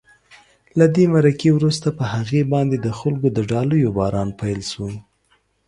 له دې مرکې وروسته په هغې باندې د خلکو د ډالیو باران پیل شو.